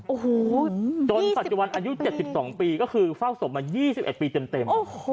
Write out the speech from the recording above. โอ้โหจนปัจจุบันอายุ๗๒ปีก็คือเฝ้าศพมา๒๑ปีเต็ม